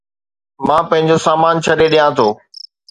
مان پنهنجو سامان ڇڏي ڏيان ٿو